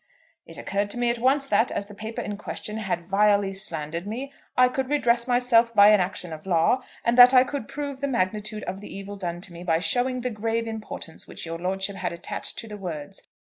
"It occurred to me at once that, as the paper in question had vilely slandered me, I could redress myself by an action of law, and that I could prove the magnitude of the evil done me by showing the grave importance which your lordship had attached to the words.